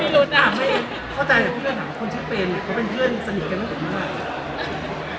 เข้าใจไปต่อคนชื่อเฟรมเขาเป็นเพื่อนศนีทกันมาก